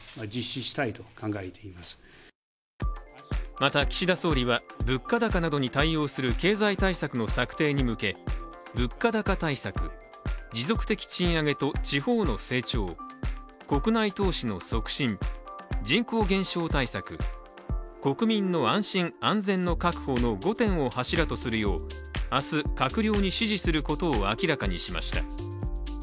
また岸田総理は、物価高などに対応する経済対策の策定に向け物価高対策、持続的賃上げと地方の成長国内投資の促進、人口減少対策、国民の安心・安全の確保の５点を柱とするよう明日、閣僚に指示することを明らかにしました。